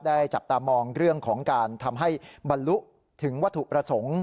จับตามองเรื่องของการทำให้บรรลุถึงวัตถุประสงค์